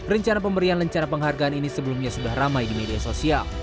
rencana pemberian lencana penghargaan ini sebelumnya sudah ramai di media sosial